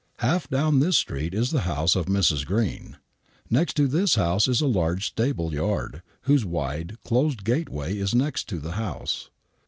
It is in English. Half down this street is the house of Mrs. Green. N'ext to this house is a large stable yard, whose wide, closed gateway is next to the house.